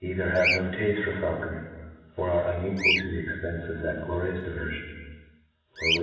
vdho citficr have no tafte for faulconry, or ate unequal to the expence of that glorious diver fion, or would.